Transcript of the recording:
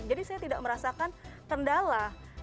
jadi saya tidak merasakan kendala